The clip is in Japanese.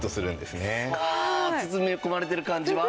すごい！包み込まれてる感じが？